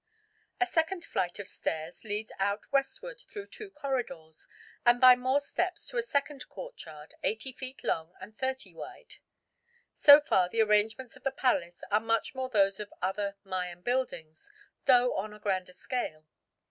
A second flight of stairs leads out westward through two corridors, and by more steps to a second courtyard 80 feet long and 30 wide. So far the arrangements of the palace are much those of other Mayan buildings, though on a grander scale.